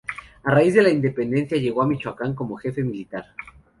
A raíz de la Independencia llegó a Michoacán como jefe militar.